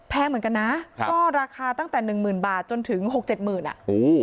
เหมือนกันนะครับก็ราคาตั้งแต่หนึ่งหมื่นบาทจนถึงหกเจ็ดหมื่นอ่ะโอ้